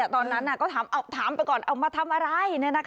ตอนนั้นก็ถามไปก่อนเอามาทำอะไร